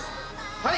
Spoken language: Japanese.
はい。